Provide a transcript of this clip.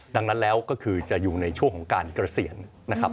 ดังนั้นแล้วก็คือจะอยู่ในช่วงของการเกษียณนะครับ